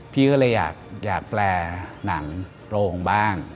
พี่ก็เลยอยากแปลหนังโปรงบ้าง